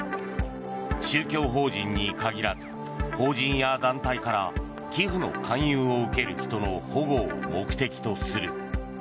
宗教法人に限らず法人や団体から寄付の勧誘を受ける人の保護を目的とする。